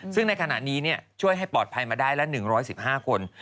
ซึ่งในขณะนี้ช่วยให้ปลอดภัยมาได้ละ๑๑๕คน